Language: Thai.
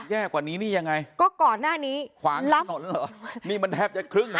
แย่กว่านี้นี่ยังไงก็ก่อนหน้านี้ขวางถนนเหรอนี่มันแทบจะครึ่งนะ